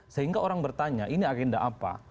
sehingga orang bertanya ini agenda apa